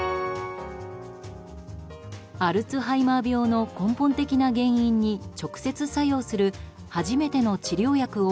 アルツハイマー病の根本的な原因に直接、作用する初めての治療薬を